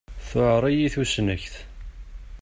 Tuεer-iyi tusnakt.